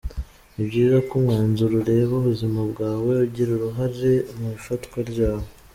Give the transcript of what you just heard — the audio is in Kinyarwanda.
Ni byiza ko umwanzuro ureba ubuzima bwawe ugira uruhare mu ifatwa ryawo.